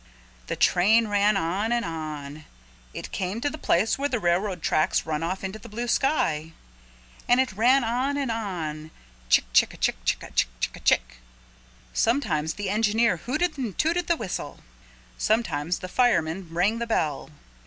The train ran on and on. It came to the place where the railroad tracks run off into the blue sky. And it ran on and on chick chick a chick chick a chick chick a chick. Sometimes the engineer hooted and tooted the whistle. Sometimes the fireman rang the bell.